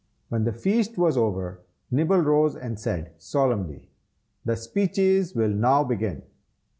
When the feast was over, Nibble rose and said, solemnly, "the speeches will now begin.